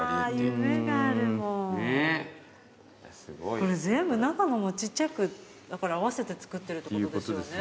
これ全部中のもちっちゃく合わせて作ってるってことですよね。